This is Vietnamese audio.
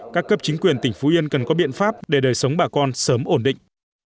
các cấp chính quyền tỉnh phú yên cần có biện pháp để đời sống bà con sớm ổn định